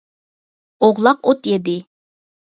ئوغلاق ئوت يېدى.